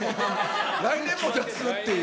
来年も出すっていう。